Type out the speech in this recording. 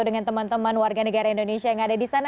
dengan teman teman warga negara indonesia yang ada di sana